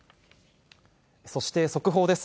そして速報です。